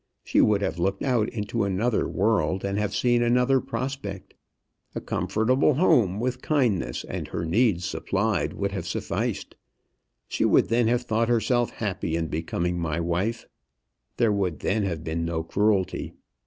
She would have looked out into another world, and have seen another prospect. A comfortable home with kindness, and her needs supplied, would have sufficed. She would then have thought herself happy in becoming my wife. There would then have been no cruelty.